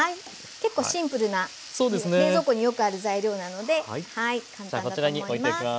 結構シンプルな冷蔵庫によくある材料なので簡単だと思います。